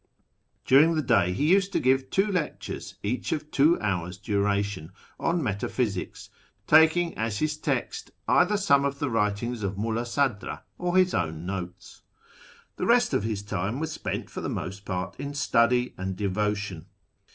During the MYSTICISM, METAPHYSIC, AND MAGIC 133 day lie used to give two lectures, each of two hours' duration, on Metaphysics, taking as his text either some of the writings of Mulla Sadra, or his own notes. The rest of his time was spent for the most part in study and devotion.